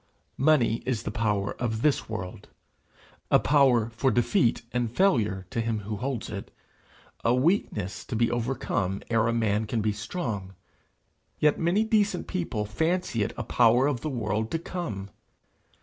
Money is the power of this world power for defeat and failure to him who holds it a weakness to be overcome ere a man can be strong; yet many decent people fancy it a power of the world to come!